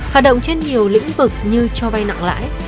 hạ động trên nhiều lĩnh vực như cho vai nặng lãi